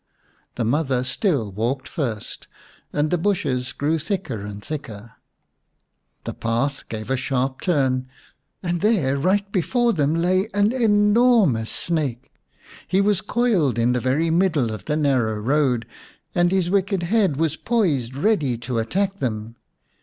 The mother still walked first, and the bushes grew thicker and thicker. The path gave a sharp turn, and there, right before them, lay an enormous snake. He was coiled in the very middle of the narrow road, and his wicked head was poised ready to attack them.